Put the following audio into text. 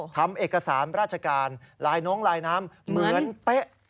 ทำเอกสารราชการลายน้องลายน้ำเหมือนเป๊ะ